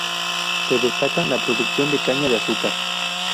Se destaca la producción de caña de azúcar.